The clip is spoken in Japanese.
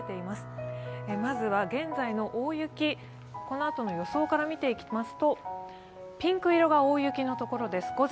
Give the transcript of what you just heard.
まずは現在の大雪、このあとの予想から見ていきますとピンク色が大雪のところです。